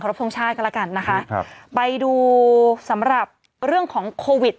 รบทรงชาติกันแล้วกันนะคะครับไปดูสำหรับเรื่องของโควิด